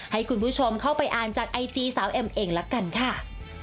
ให้คุณผู้ชมเข้าไปอ่านจากไอจีสาวเอ็มเองละกันค่ะ